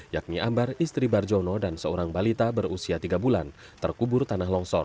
yakni ambar istri barjono dan seorang balita berusia tiga bulan terkubur tanah longsor